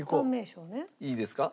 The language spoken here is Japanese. いいですか？